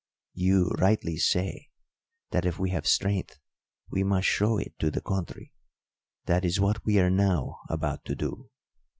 You rightly say that if we have strength we must show it to the country. That is what we are now about to do.